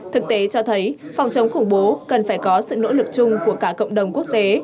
thực tế cho thấy phòng chống khủng bố cần phải có sự nỗ lực chung của cả cộng đồng quốc tế